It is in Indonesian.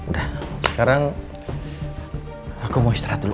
dah sekarang aku mau istirahat dulu